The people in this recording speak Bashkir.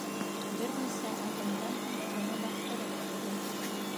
Бер нисә аҙымдан һуң уны баҫтырып ҡуйҙы.